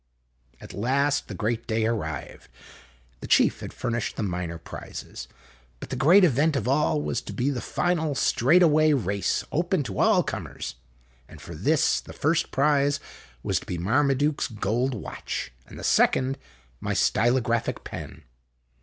At last the great day arrived. The chief had furnished the minor prizes ; but the great event of all was to be the final, straight away race open to all comers, and for this the first prize was to be Marmaduke's gold watch, and the second my stylographic pen.